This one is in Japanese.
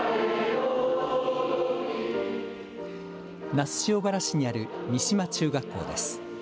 那須塩原市にある三島中学校です。